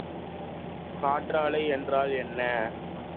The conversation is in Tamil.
காற்றாலை என்றால் என்ன?